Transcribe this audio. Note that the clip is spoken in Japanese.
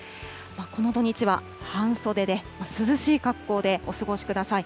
この土日は半袖で、涼しい格好でお過ごしください。